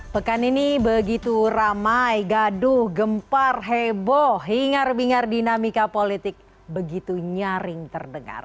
pekan ini begitu ramai gaduh gempar heboh hingar bingar dinamika politik begitu nyaring terdengar